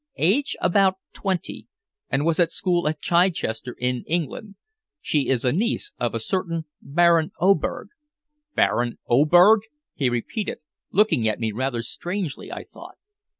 "Age about twenty, and was at school at Chichester, in England. She is a niece of a certain Baron Oberg." "Baron Oberg!" he repeated, looking at me rather strangely, I thought.